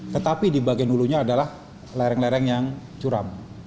tetapi di bagian hulunya adalah lereng lereng yang curam